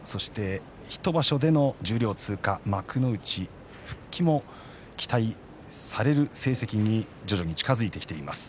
１場所での十両を通過、幕内復帰も期待される成績に徐々に近づいています。